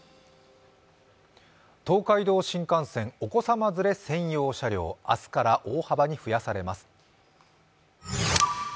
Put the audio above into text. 東海道新幹線、お子さま連れ専用車両、明日から大幅に増やされます。